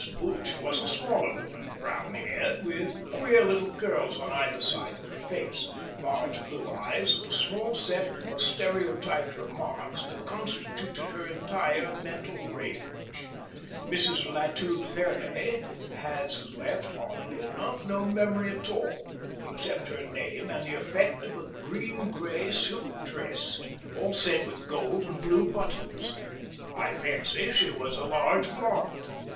Booch was a smaller woman, brown haired, with queer little curls on either side of her face, large blue eyes and a small set of stereotyped remarks that constituted her entire mental range. Mrs. Latude Fernay has left, oddly enough, no memory at all except her name and the effect of a green grey silk dress, all set with gold and blue buttons. I fancy she was a large blonde.